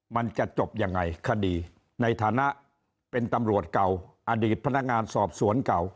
มันจะจบยังไงคดีในฐานะเป็นตำรวจเก่าอดีตพนักงานสอบสวนเก่า